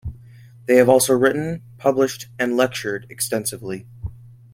They have also written, published and lectured extensively.